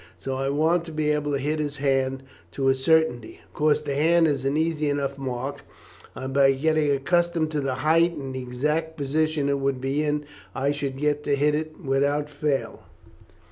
So I want to be able to hit his hand to a certainty. Of course the hand is an easy enough mark, and by getting accustomed to the height and the exact position it would be in, I should get to hit it without fail."